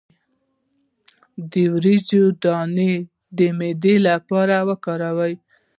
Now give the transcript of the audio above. د وریجو دانه د معدې لپاره وکاروئ